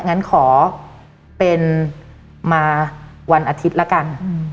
งั้นขอเป็นมาวันอาทิตย์ละกัน